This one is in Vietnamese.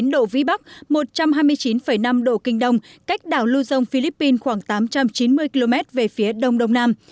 một mươi độ vĩ bắc một trăm hai mươi chín năm độ kinh đông cách đảo lưu dông philippines khoảng tám trăm chín mươi km về phía đông đông nam